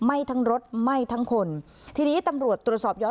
อันดับที่สุดท้าย